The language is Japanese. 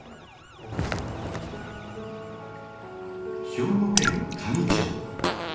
兵庫県香美町。